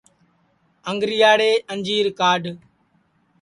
انگریاڑِ نیجر کاڈھ